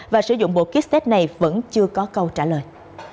và sử dụng bộ kích test này vẫn chưa có câu trả lời